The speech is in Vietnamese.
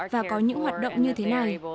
và có những hoạt động như thế này